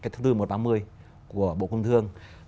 tháng bốn một tám mươi của bộ công thương